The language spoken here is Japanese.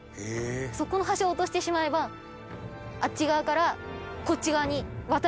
そこの橋を落としてしまえばあっち側からこっち側に渡れないんですよ。